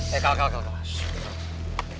jadi kalian harus hormat sama kami